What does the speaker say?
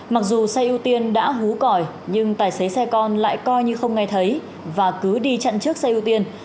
mặc dù xe ưu tiên đã hú còi nhưng tài xế xe con lại coi như không nghe thấy và cứ đi chặn chiếc xe ưu tiên